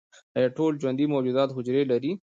ایا ټول ژوندي موجودات حجرې لري؟